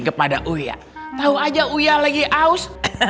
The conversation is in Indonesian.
kepada uya tahu aja uya lagi aus